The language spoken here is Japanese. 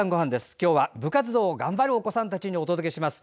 今日は部活動を頑張るお子さんたちにお届けします。